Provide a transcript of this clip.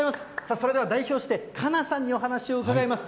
それでは代表して、かなさんにお話を伺います。